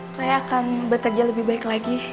saya akan bekerja lebih baik lagi